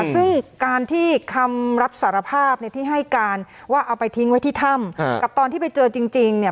ซึ่งการที่คำรับสารภาพเนี่ยที่ให้การว่าเอาไปทิ้งไว้ที่ถ้ำกับตอนที่ไปเจอจริงเนี่ย